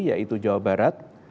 yaitu jawa barat